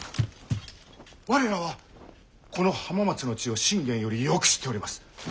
我らはこの浜松の地を信玄よりよく知っております。